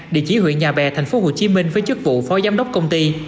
địa chỉ huyện nhà bè tp hcm với chức vụ phó giám đốc công ty